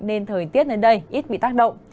nên thời tiết lên đây ít bị tác động